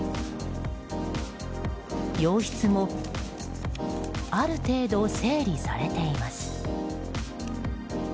洋室もある程度、整理されています。